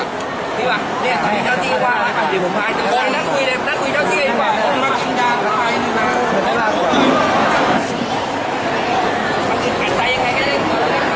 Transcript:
นี่คือเจ้าจี้กว่านั่งคุยเจ้าจี้กว่า